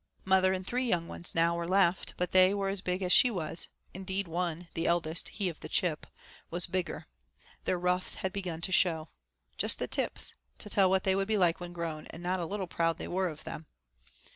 Mother and three young ones now were left, but they were as big as she was; indeed one, the eldest, he of the chip, was bigger. Their ruffs had begun to show. Just the tips, to tell what they would be like when grown, and not a little proud they were of them.